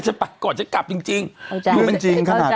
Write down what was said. ฉันไปก่อนฉันกลับจริง